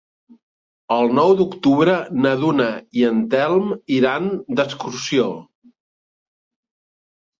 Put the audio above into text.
El nou d'octubre na Duna i en Telm iran d'excursió.